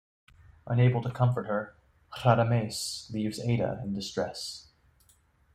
Unable to comfort her, Radames leaves Aida in distress.